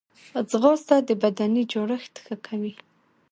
ځغاسته د بدني جوړښت ښه کوي